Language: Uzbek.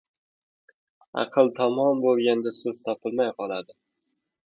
• Aql tamom bo‘lganda so‘z topilmay qoladi.